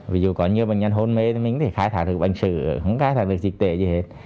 ví dụ có nhiều bệnh nhân hôn mê thì mình có thể khai thả được bệnh sử không khai thả được dịch tệ gì hết